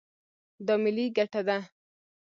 دا ملي ګټه ده.